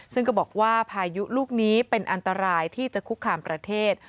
ซึ่งก็บอกว่าพายุลูกนี้เป็นอันตรายที่จะคุกคามประเทศ